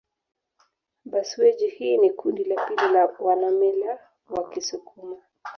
Bhasweji hili ni kundi la pili la wanamila wa kisukuma